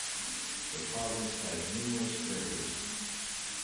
The province has numerous rivers.